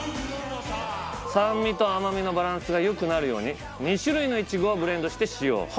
酸味と甘みのバランスが良くなるように２種類のいちごをブレンドして使用。